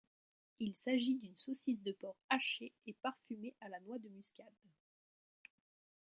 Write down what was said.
Il s'agit d'une saucisse de porc haché et parfumé à la noix de muscade.